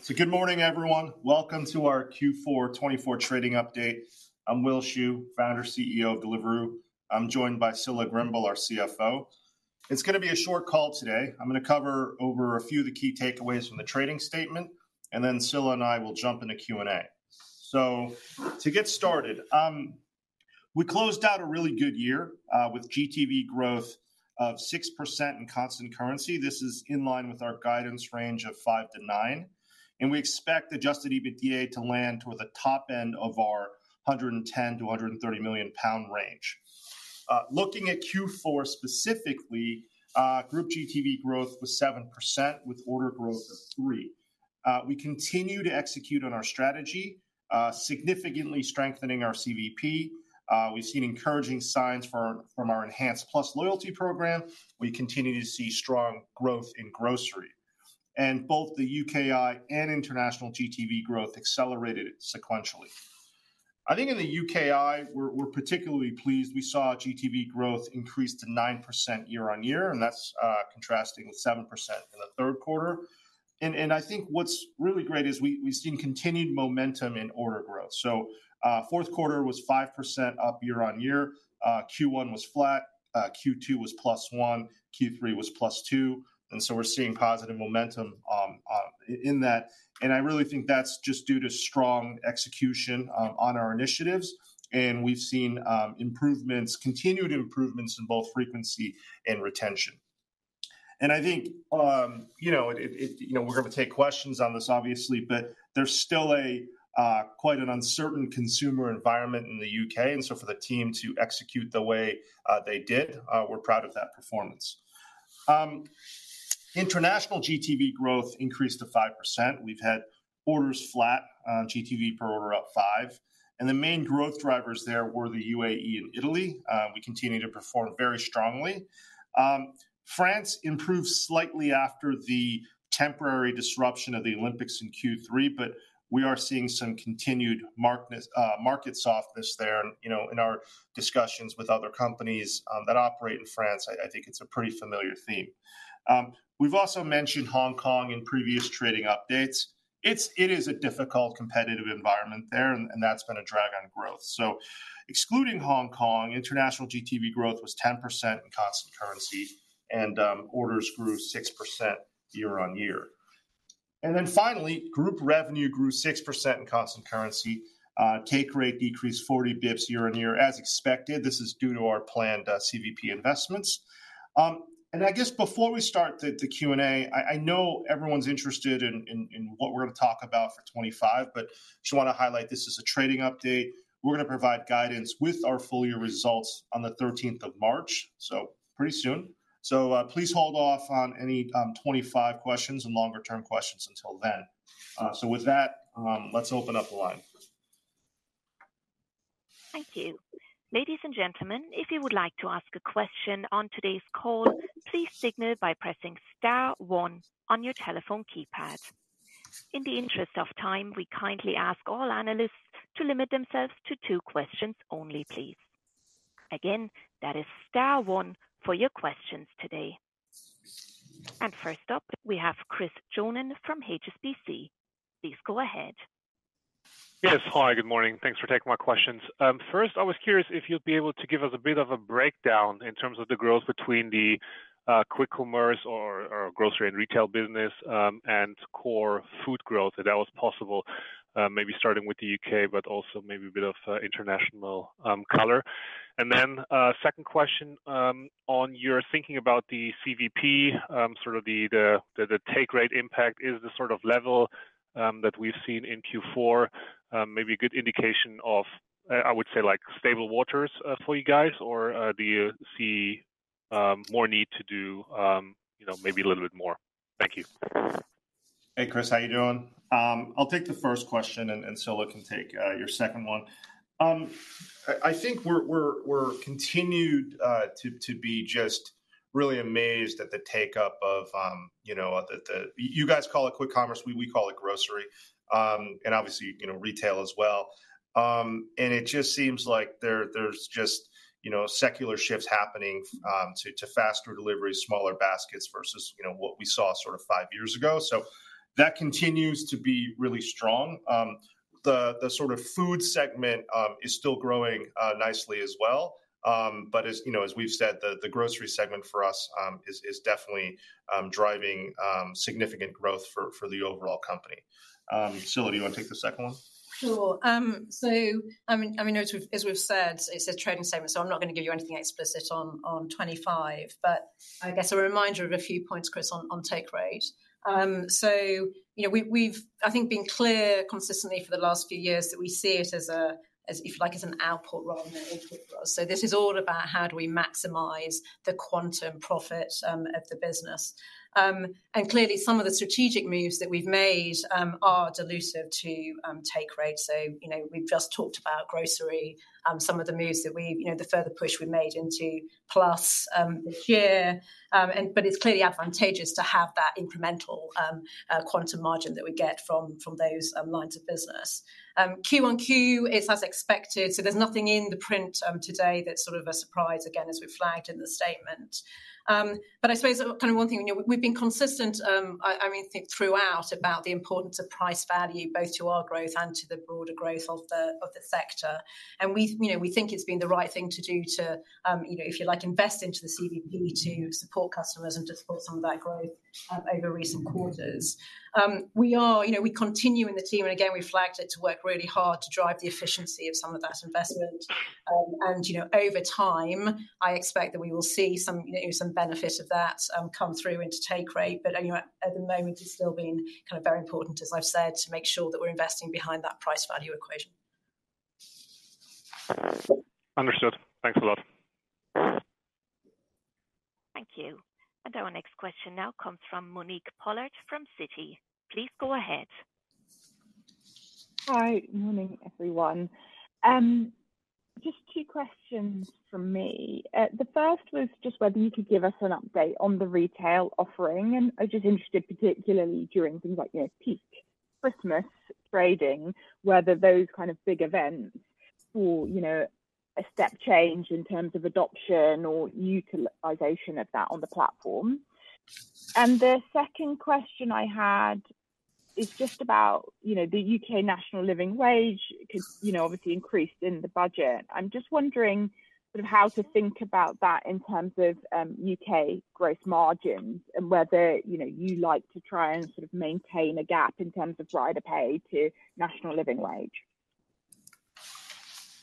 So, good morning, everyone. Welcome to our Q4 2024 trading update. I'm Will Shu, Founder and CEO of Deliveroo. I'm joined by Scilla Grimble, our CFO. It's going to be a short call today. I'm going to cover over a few of the key takeaways from the trading statement, and then Scilla and I will jump into Q&A. So, to get started, we closed out a really good year with GTV growth of 6% in constant currency. This is in line with our guidance range of 5%-9%, and we expect adjusted EBITDA to land toward the top end of our 110 million-130 million pound range. Looking at Q4 specifically, group GTV growth was 7%, with order growth of 3%. We continue to execute on our strategy, significantly strengthening our CVP. We've seen encouraging signs from our enhanced Plus loyalty program. We continue to see strong growth in grocery, and both the UKI and international GTV growth accelerated sequentially. I think in the UKI, we're particularly pleased. We saw GTV growth increase to 9% year-on-year, and that's contrasting with 7% in the third quarter, and I think what's really great is we've seen continued momentum in order growth, so fourth quarter was 5% up year-on-year. Q1 was flat. Q2 was plus 1%. Q3 was plus 2%, and so we're seeing positive momentum in that, and I really think that's just due to strong execution on our initiatives, and we've seen improvements, continued improvements in both frequency and retention, and I think, you know, we're going to take questions on this, obviously, but there's still quite an uncertain consumer environment in the U.K. And so for the team to execute the way they did, we're proud of that performance. International GTV growth increased to 5%. We've had orders flat on GTV per order, up five. And the main growth drivers there were the U.A.E. and Italy. We continue to perform very strongly. France improved slightly after the temporary disruption of the Olympics in Q3, but we are seeing some continued market softness there. And, you know, in our discussions with other companies that operate in France, I think it's a pretty familiar theme. We've also mentioned Hong Kong in previous trading updates. It is a difficult competitive environment there, and that's been a drag on growth. So, excluding Hong Kong, international GTV growth was 10% in constant currency, and orders grew 6% year-on-year. And then finally, group revenue grew 6% in constant currency. Take rate decreased 40 basis points year-on-year, as expected. This is due to our planned CVP investments. And I guess before we start the Q&A, I know everyone's interested in what we're going to talk about for 2025, but I just want to highlight this as a trading update. We're going to provide guidance with our full year results on the 13th of March, so pretty soon. So with that, let's open up the line. Thank you. Ladies and gentlemen, if you would like to ask a question on today's call, please signal by pressing star one on your telephone keypad. In the interest of time, we kindly ask all analysts to limit themselves to two questions only, please. Again, that is star one for your questions today. And first up, we have Chris Johnen from HSBC. Please go ahead. Yes. Hi, good morning. Thanks for taking my questions. First, I was curious if you'd be able to give us a bit of a breakdown in terms of the growth between the quick commerce or grocery and retail business and core food growth, if that was possible, maybe starting with the U.K., but also maybe a bit of international color. And then second question, on your thinking about the CVP, sort of the take rate impact, is the sort of level that we've seen in Q4 maybe a good indication of, I would say, like stable waters for you guys, or do you see more need to do, you know, maybe a little bit more? Thank you. Hey, Chris, how are you doing? I'll take the first question, and Scilla can take your second one. I think we're continued to be just really amazed at the take-up of, you know, you guys call it quick commerce. We call it grocery, and obviously, you know, retail as well. And it just seems like there's just, you know, secular shifts happening to faster deliveries, smaller baskets versus, you know, what we saw sort of five years ago. So that continues to be really strong. The sort of food segment is still growing nicely as well. But as you know, as we've said, the grocery segment for us is definitely driving significant growth for the overall company. Scilla, do you want to take the second one? Sure. So, I mean, as we've said, it's a trading statement, so I'm not going to give you anything explicit on 2025, but I guess a reminder of a few points, Chris, on take rate. So, you know, we've, I think, been clear consistently for the last few years that we see it as a, if you like, as an output rather than an input growth. So this is all about how do we maximize the quantum profit of the business. And clearly, some of the strategic moves that we've made are dilutive to take rate. So, you know, we've just talked about grocery, some of the moves that we, you know, the further push we've made into plus this year. But it's clearly advantageous to have that incremental quantum margin that we get from those lines of business. Q1 2025 is as expected. There's nothing in the print today that's sort of a surprise, again, as we've flagged in the statement. I suppose kind of one thing, you know, we've been consistent, I mean, throughout about the importance of price value, both to our growth and to the broader growth of the sector. We, you know, we think it's been the right thing to do to, you know, if you like, invest into the CVP to support customers and to support some of that growth over recent quarters. We are, you know, we continue in the team, and again, we've flagged it to work really hard to drive the efficiency of some of that investment. You know, over time, I expect that we will see some, you know, some benefit of that come through into take rate. But, you know, at the moment, it's still been kind of very important, as I've said, to make sure that we're investing behind that price value equation. Understood. Thanks a lot. Thank you. And our next question now comes from Monique Pollard from Citi. Please go ahead. Hi, morning, everyone. Just two questions from me. The first was just whether you could give us an update on the retail offering. And I was just interested, particularly during things like, you know, peak Christmas trading, whether those kind of big events for, you know, a step change in terms of adoption or utilization of that on the platform. And the second question I had is just about, you know, the U.K. National Living Wage, because, you know, obviously increased in the budget. I'm just wondering sort of how to think about that in terms of U.K. gross margins and whether, you know, you like to try and sort of maintain a gap in terms of rider pay to National Living Wage.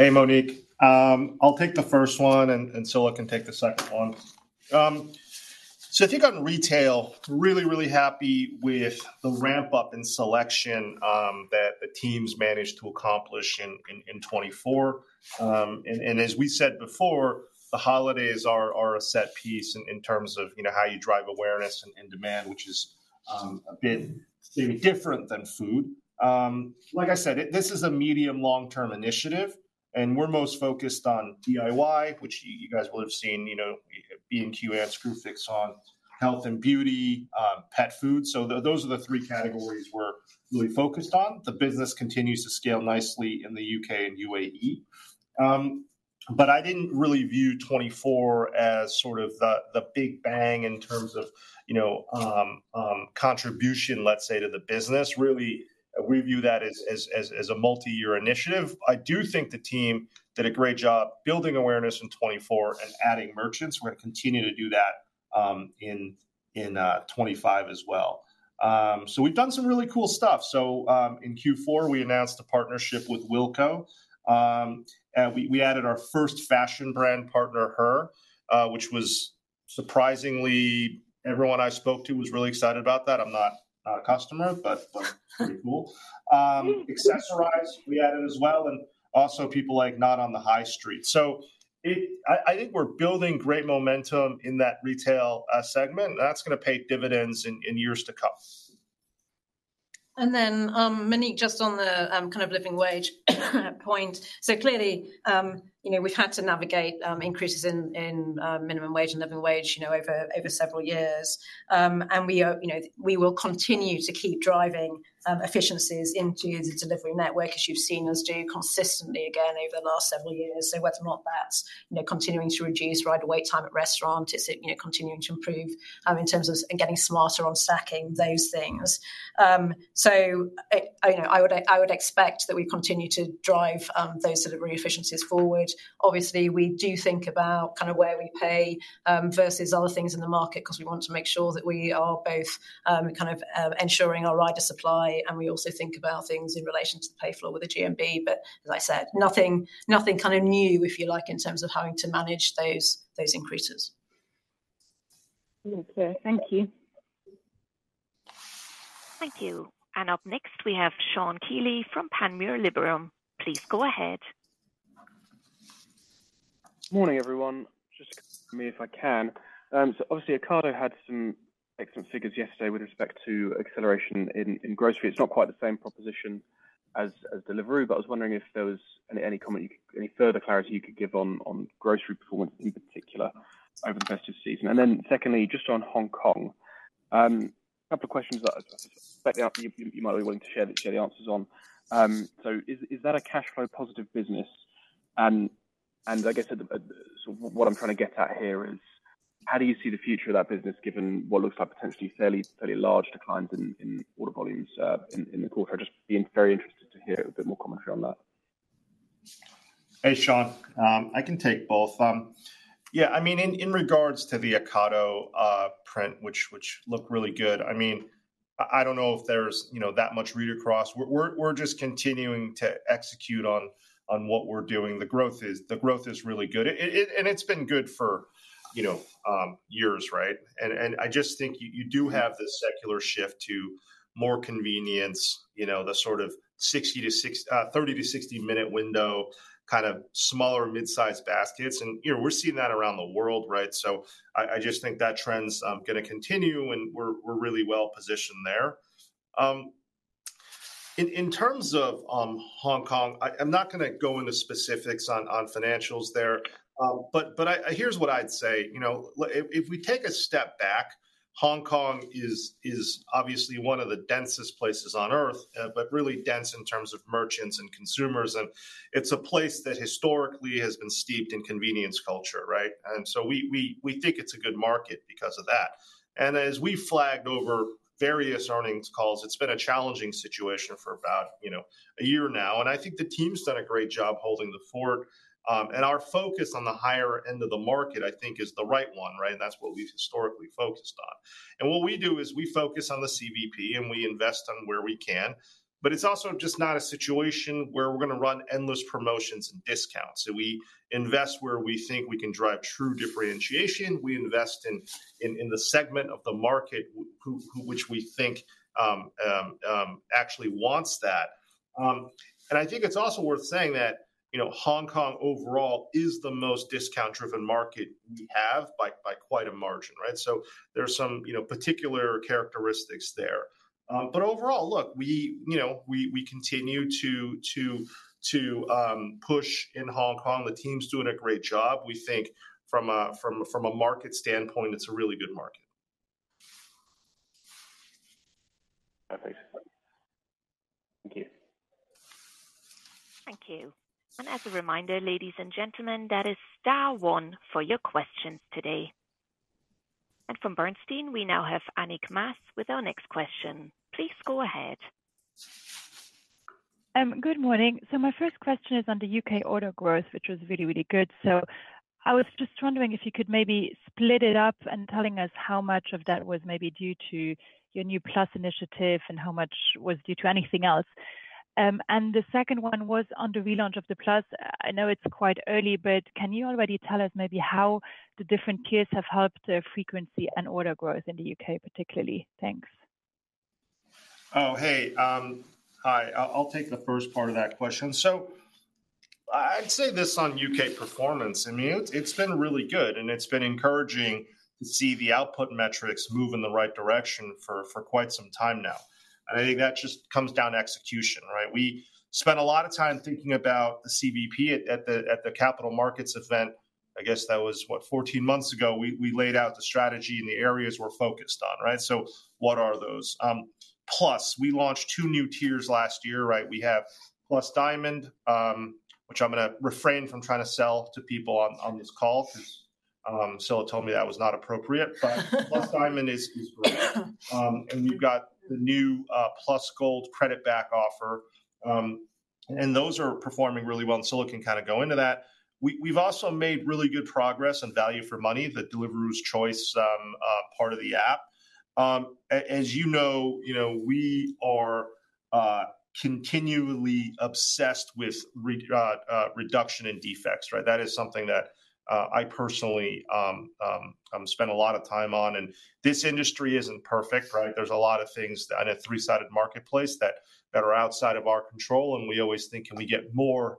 Hey, Monique. I'll take the first one, and Scilla can take the second one so I think on retail, really, really happy with the ramp-up in selection that the teams managed to accomplish in 2024 and as we said before, the holidays are a set piece in terms of, you know, how you drive awareness and demand, which is a bit maybe different than food. Like I said, this is a medium-long-term initiative, and we're most focused on DIY, which you guys will have seen, you know, B&Q, Screwfix, Dixons, health and beauty, pet food so those are the three categories we're really focused on. The business continues to scale nicely in the U.K. and U.A.E. but I didn't really view 2024 as sort of the big bang in terms of, you know, contribution, let's say, to the business. Really, we view that as a multi-year initiative. I do think the team did a great job building awareness in 2024 and adding merchants. We're going to continue to do that in 2025 as well. So we've done some really cool stuff. So in Q4, we announced a partnership with Wilko. We added our first fashion brand partner, HURR, which was surprisingly, everyone I spoke to was really excited about that. I'm not a customer, but pretty cool. Accessorize, we added as well, and also people like Not On The High Street. So I think we're building great momentum in that retail segment, and that's going to pay dividends in years to come. And then, Monique, just on the kind of living wage point. So clearly, you know, we've had to navigate increases in minimum wage and living wage, you know, over several years. And we, you know, we will continue to keep driving efficiencies into the delivery network, as you've seen us do consistently again over the last several years. So whether or not that's, you know, continuing to reduce rider wait time at restaurants, it's, you know, continuing to improve in terms of getting smarter on stacking those things. So, you know, I would expect that we continue to drive those delivery efficiencies forward. Obviously, we do think about kind of where we pay versus other things in the market because we want to make sure that we are both kind of ensuring our rider supply. And we also think about things in relation to the pay flow with the GMB. But as I said, nothing kind of new, if you like, in terms of having to manage those increases. Thank you. Thank you. And up next, we have Sean Kealy from Panmure Liberum. Please go ahead. Morning, everyone. Just me if I can. So obviously, Ocado had some excellent figures yesterday with respect to acceleration in grocery. It's not quite the same proposition as Deliveroo, but I was wondering if there was any comment, any further clarity you could give on grocery performance in particular over the festive season. And then secondly, just on Hong Kong, a couple of questions that I suspect you might be willing to share the answers on. So is that a cash flow positive business? And I guess what I'm trying to get at here is how do you see the future of that business given what looks like potentially fairly large declines in order volumes in the quarter? I'd just be very interested to hear a bit more commentary on that. Hey, Sean. I can take both. Yeah, I mean, in regards to the Ocado print, which looked really good, I mean, I don't know if there's, you know, that much read across. We're just continuing to execute on what we're doing. The growth is really good. And it's been good for, you know, years, right? And I just think you do have this secular shift to more convenience, you know, the sort of 30 to 60-minute window, kind of smaller midsize baskets. And, you know, we're seeing that around the world, right? So I just think that trend's going to continue, and we're really well positioned there. In terms of Hong Kong, I'm not going to go into specifics on financials there. But here's what I'd say. You know, if we take a step back, Hong Kong is obviously one of the densest places on Earth, but really dense in terms of merchants and consumers. And it's a place that historically has been steeped in convenience culture, right? And so we think it's a good market because of that. And as we've flagged over various earnings calls, it's been a challenging situation for about, you know, a year now. And I think the team's done a great job holding the fort. And our focus on the higher end of the market, I think, is the right one, right? And that's what we've historically focused on. And what we do is we focus on the CVP, and we invest on where we can. But it's also just not a situation where we're going to run endless promotions and discounts. So we invest where we think we can drive true differentiation. We invest in the segment of the market which we think actually wants that. And I think it's also worth saying that, you know, Hong Kong overall is the most discount-driven market we have by quite a margin, right? So there's some, you know, particular characteristics there. But overall, look, we, you know, we continue to push in Hong Kong. The team's doing a great job. We think from a market standpoint, it's a really good market. Thanks. Thank you. Thank you. And as a reminder, ladies and gentlemen, that is star one for your questions today. And from Bernstein, we now have Annick Maas with our next question. Please go ahead. Good morning. My first question is on the U.K. order growth, which was really, really good. I was just wondering if you could maybe split it up and tell us how much of that was maybe due to your new Plus initiative and how much was due to anything else. The second one was on the relaunch of the Plus. I know it's quite early, but can you already tell us maybe how the different tiers have helped the frequency and order growth in the U.K., particularly? Thanks. Oh, hey. Hi. I'll take the first part of that question. So I'd say this on U.K. performance, I mean, it's been really good, and it's been encouraging to see the output metrics move in the right direction for quite some time now. And I think that just comes down to execution, right? We spent a lot of time thinking about the CVP at the Capital Markets event. I guess that was, what, 14 months ago, we laid out the strategy and the areas we're focused on, right? So what are those? Plus, we launched two new tiers last year, right? We have Plus Diamond, which I'm going to refrain from trying to sell to people on this call because Scilla told me that was not appropriate. But Plus Diamond is great. And we've got the new Plus Gold credit-back offer. And those are performing really well. And Scilla can kind of go into that. We've also made really good progress on value for money, the Deliveroo's choice part of the app. As you know, you know, we are continually obsessed with reduction in defects, right? That is something that I personally spend a lot of time on. And this industry isn't perfect, right? There's a lot of things in a three-sided marketplace that are outside of our control. And we always think, can we get more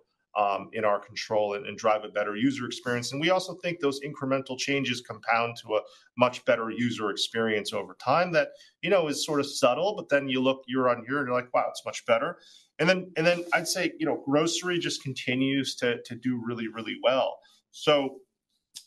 in our control and drive a better user experience? And we also think those incremental changes compound to a much better user experience over time that, you know, is sort of subtle. But then you look, you're on here, and you're like, wow, it's much better. And then I'd say, you know, grocery just continues to do really, really well. So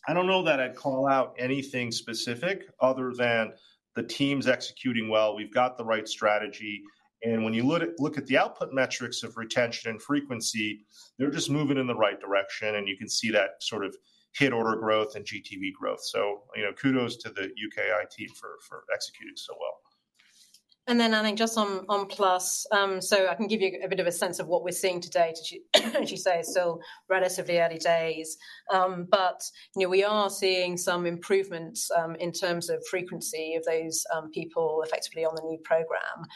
I don't know that I'd call out anything specific other than the team's executing well. We've got the right strategy. And when you look at the output metrics of retention and frequency, they're just moving in the right direction. And you can see that sort of net order growth and GTV growth. So, you know, kudos to the UKI team for executing so well. Then I think just on Plus, so I can give you a bit of a sense of what we're seeing today, as you say, still relatively early days. You know, we are seeing some improvements in terms of frequency of those people effectively on the new program,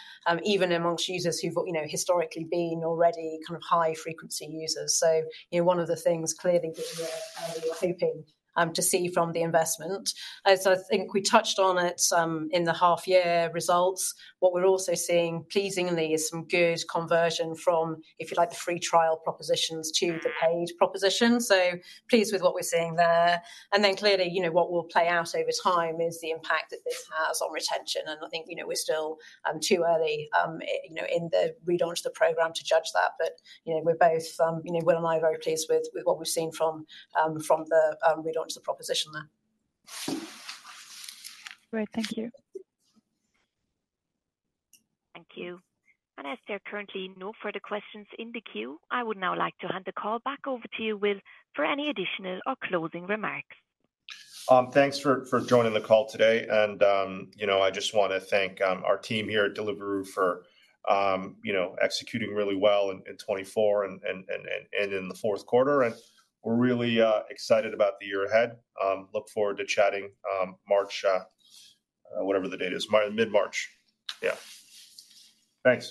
even among users who've, you know, historically been already kind of high-frequency users. You know, one of the things clearly that we were hoping to see from the investment. I think we touched on it in the half-year results. What we're also seeing, pleasingly, is some good conversion from, if you like, the free trial propositions to the paid proposition. Pleased with what we're seeing there. Clearly, you know, what will play out over time is the impact that this has on retention. And I think, you know, we're still too early, you know, in the relaunch of the program to judge that. But, you know, we're both, you know, Will and I are very pleased with what we've seen from the relaunch of the proposition there. Great. Thank you. Thank you, and as there are currently no further questions in the queue, I would now like to hand the call back over to you, Will, for any additional or closing remarks. Thanks for joining the call today. And, you know, I just want to thank our team here at Deliveroo for, you know, executing really well in 2024 and in the fourth quarter. And we're really excited about the year ahead. Look forward to chatting March, whatever the date is, mid-March. Yeah. Thanks.